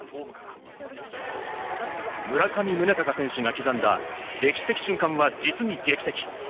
村上宗隆選手が刻んだ歴史的瞬間は実に劇的。